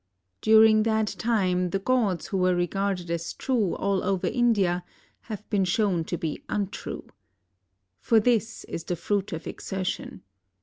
During that time the gods who were regarded as true all over India have been shown to be untrue. For this is the fruit of exertion.